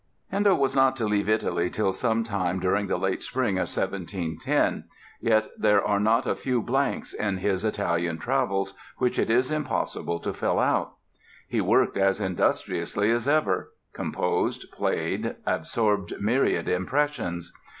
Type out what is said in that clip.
Handel was not to leave Italy till some time during the late spring of 1710, yet there are not a few blanks in his Italian travels, which it is impossible to fill out. He worked as industriously as ever—composed, played, absorbed myriad impressions.